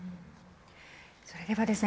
それではですね